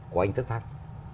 của anh tất thăng